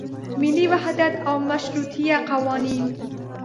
ملي وحدت او مشروطیه قوانین.